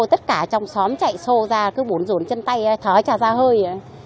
tất cả trong xóm chạy sô ra cứ bốn rốn chân tay thở trà ra hơi